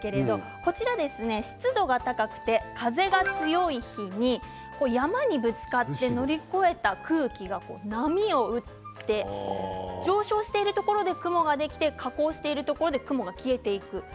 こちらは湿度が高くて風が強い日に山にぶつかって乗り越えた空気が波打って上昇しているところに雲ができて下降しているところで雲が消えていく。